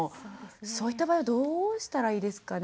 そういった場合はどうしたらいいですかね？